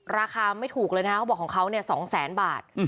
ราคาไม่ถูกเลยนะคะเขาบอกของเขาเนี่ย๒แสนบาท